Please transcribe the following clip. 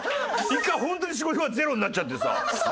一回ホントに仕事がゼロになっちゃってさ。